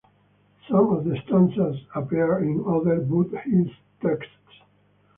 Some of the stanzas appear in other Buddhist texts.